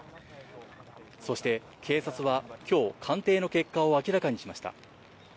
そして警察はきょう、鑑定の結果を明らかにしました。